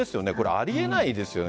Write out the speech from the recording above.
ありえないですよね。